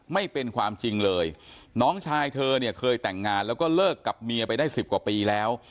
ไม่เป็นความจริงเลยน้องชายเธอเนี่ยเคยแต่งงานแล้วก็เลิกกับเมียไปได้สิบกว่าปีแล้ว